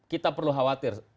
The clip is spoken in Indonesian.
kita perlu khawatir